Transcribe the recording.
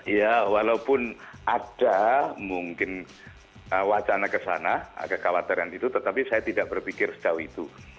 ya walaupun ada mungkin wacana ke sana ada kawatan yang itu tetapi saya tidak berpikir setau itu